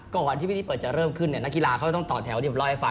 ก่อนที่วิธีเปิดจะเริ่มขึ้นนักกีฬาต้องต่อแถวที่มีรอยฟาง